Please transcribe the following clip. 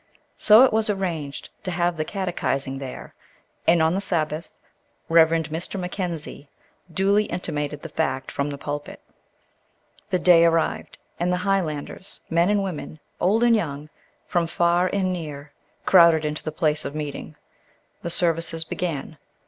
So it was arranged to have the "catechizing" there, and on the Sabbath Rev. Mr. Mackenzie duly intimated the fact from the pulpit. The day arrived, and the Highlanders, men and women, old and young, from far and near, crowded into the place of meeting. The services began.